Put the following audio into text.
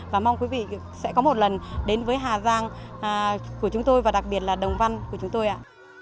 và mong quý vị sẽ có một lần đến với hà giang của chúng tôi và đặc biệt là đồng văn của chúng tôi ạ